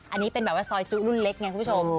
อันนี้เป็นแบบว่าซอยจุรุ่นเล็กไงคุณผู้ชม